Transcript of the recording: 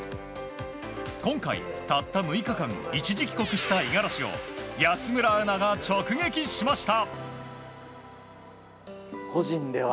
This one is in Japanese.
今回、たった６日間一時帰国した五十嵐を安村アナが直撃しました。